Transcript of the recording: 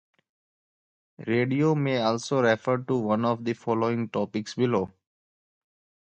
Radio may also refer to one of the following topics below.